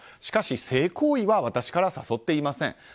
しかし、性行為は私から誘っていません。